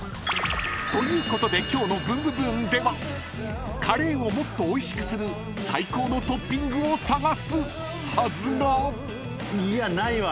［ということで今日の『ブンブブーン！』ではカレーをもっとおいしくする最高のトッピングを探すはずが］いやないわ。